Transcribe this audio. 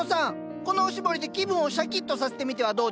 このおしぼりで気分をシャキッとさせてみてはどうですか？